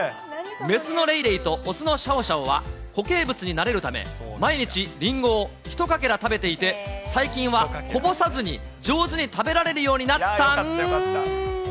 雌のレイレイと雄のシャオシャオは、固形物に慣れるため、毎日、リンゴを一かけら食べていて、最近はこぼさずに、上手に食べられるようになったん。